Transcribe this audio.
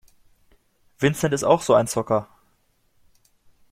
Vincent ist auch so ein Zocker.